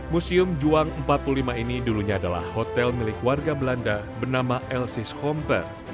museum juang empat puluh lima ini dulunya adalah hotel milik warga belanda bernama elsis homper